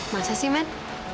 masa sih man